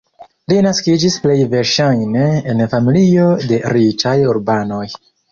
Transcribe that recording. Li naskiĝis plej verŝajne en familio de riĉaj urbanoj.